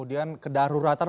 baik dari proses